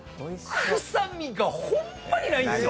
臭みがホンマにないんですよ。